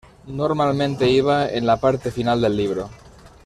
Normalmente iba en la parte final del libro.